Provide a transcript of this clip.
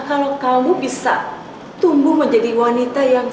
kalau kamu bisa tumbuh menjadi wanita yang